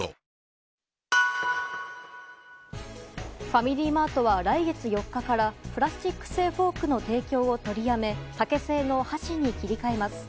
ファミリーマートは来月４日からプラスチック製フォークの提供を取りやめ竹製の箸に切り替えます。